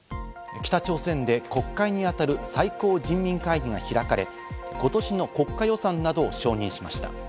北朝鮮で国会に当たる最高人民会議が開かれ、今年の国家予算などを承認しました。